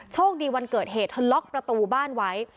โชคดีวันเกิดเหตุเธอล็อกประตูบ้านไว้